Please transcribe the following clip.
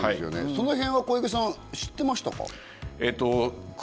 その辺は小池さんは知ってましたか？